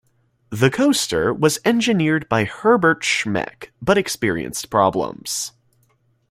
The coaster was engineered by Herbert Schmeck, but experienced problems.